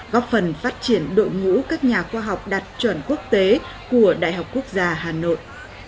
góp phần phát triển đội ngũ các nhà khoa học đạt chuẩn quốc tế của đại học quốc gia hà nội